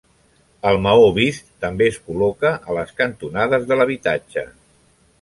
El maó vist també es col·loca a les cantonades de l'habitatge.